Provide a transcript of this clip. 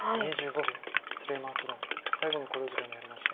鶴山八段最後の考慮時間に入りました。